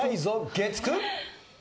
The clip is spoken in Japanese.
月９！